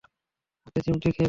হাতে চিমটি খেয়ে কসম খা!